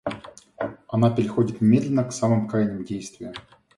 Она переходит немедленно к самым крайним действиям.